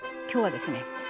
今日はですね